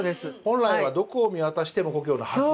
本来は「どこを見渡しても故郷」のはず。